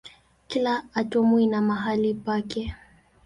Kila atomu ina mahali pake.